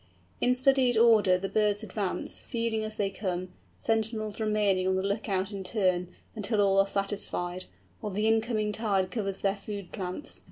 In studied order the birds advance, feeding as they come, sentinels remaining on the look out in turn, until all are satisfied, or the incoming tide covers their food plants.